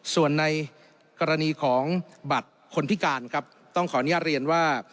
ส่วนในกรณีของบัตรคนพิการครับต้องขออนุญาตเรียนว่า